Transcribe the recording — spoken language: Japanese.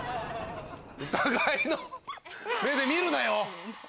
疑いの目で見るなよ。